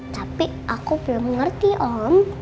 tapi aku belum mengerti om